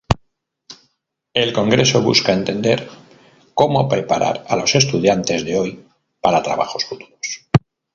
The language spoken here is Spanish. El congreso busca entender cómo preparar a los estudiantes de hoy para trabajos futuros.